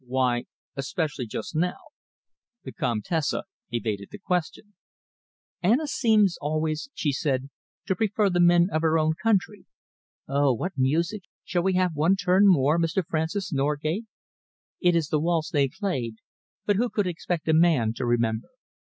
"Why 'especially just now'?" The Comtesse evaded the question. "Anna seemed always," she said, "to prefer the men of her own country. Oh, what music! Shall we have one turn more, Mr. Francis Norgate? It is the waltz they played but who could expect a man to remember!"